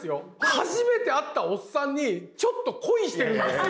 初めて会ったおっさんにちょっと恋してるんですよ。